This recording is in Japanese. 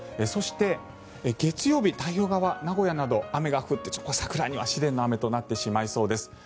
そして、月曜日太平洋側、名古屋など雨が降って桜には試練の雨となってしまいそうです。